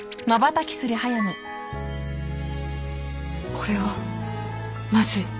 これはまずい。